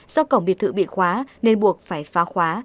do cổng biệt thự bị khóa nên buộc phải phá khóa